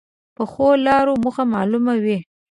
پخو لارو موخه معلومه وي